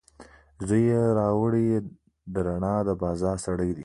زوی یې راوړي، د رڼاوو دبازار سړی دی